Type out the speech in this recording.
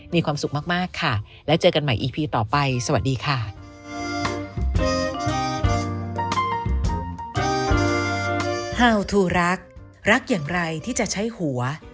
มีความสุขมากค่ะแล้วเจอกันใหม่อีพีต่อไปสวัสดีค่ะ